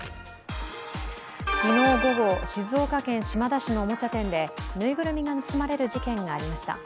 昨日午後、静岡県島田市のおもちゃ店でぬいぐるみが盗まれる事件がありました。